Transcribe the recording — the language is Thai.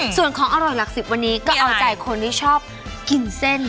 ส่วนของอร่อยหลักสิบวันนี้ก็เอาใจคนที่ชอบกินเส้น